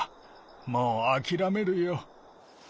もうあきらめるよ。